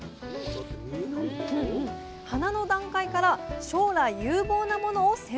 花の段階から将来有望なものを選抜。